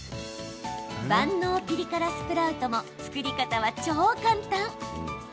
万能ピリ辛スプラウトも作り方は超簡単。